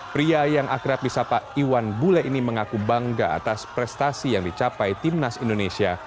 pria yang akrab di sapa iwan bule ini mengaku bangga atas prestasi yang dicapai timnas indonesia